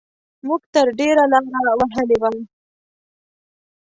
موږ تر ډېره لاره وهلې وه.